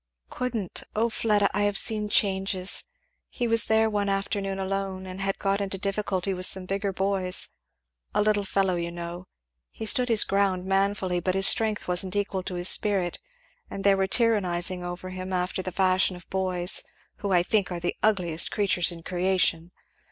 "Couldn't! Oh Fleda! I have seen changes! He was there one afternoon, alone, and had got into difficulty with some bigger boys a little fellow, you know, he stood his ground man fully, but his strength wasn't equal to his spirit, and they were tyrannizing over him after the fashion of boys, who are I do think the ugliest creatures in creation!"